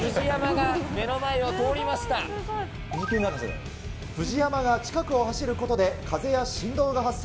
今、フジヤマが近くを走ることで、風や振動が発生。